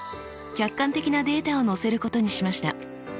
客観的なデータを載せることにしました。